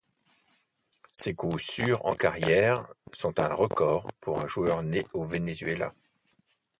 Ses coups sûrs en carrière sont un record pour un joueur né au Venezuela.